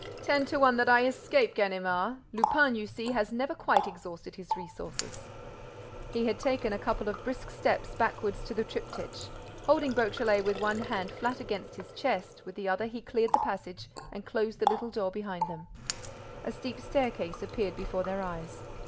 "Ten to one that I escape, Ganimard! Lupin, you see, has never quite exhausted his resources—" He had taken a couple of brisk steps backward to the triptych. Holding Beautrelet with one hand flat against his chest, with the other he cleared the passage and closed the little door behind them. A steep staircase appeared before their eyes.